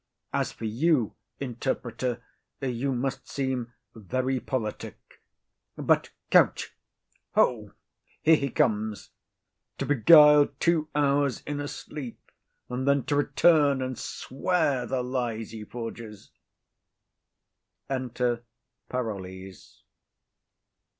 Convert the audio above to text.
As for you, interpreter, you must seem very politic. But couch, ho! Here he comes; to beguile two hours in a sleep, and then to return and swear the lies he forges. Enter Parolles.